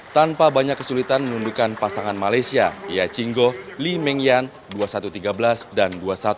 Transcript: tanpa banyak kesulitan menundukan pasangan malaysia ia cingo li meng yan dua puluh satu tiga belas dan dua puluh satu empat belas